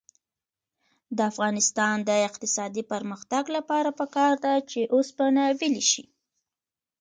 د افغانستان د اقتصادي پرمختګ لپاره پکار ده چې اوسپنه ویلې شي.